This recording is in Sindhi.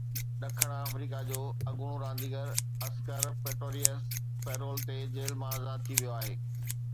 ڏکڻ آفريڪا جو اڳوڻو رانديگر اسڪر پسٽوريئس پيرول تي جيل مان آزاد ٿي ويو آهي